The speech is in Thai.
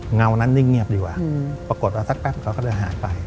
เงานั้นนิ่งเงียบดีกว่าปรากฏว่าสักแป๊บเขาก็เลยหายไป